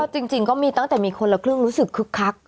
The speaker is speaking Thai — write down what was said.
จริงก็มีตั้งแต่มีคนละครึ่งรู้สึกคึกคัก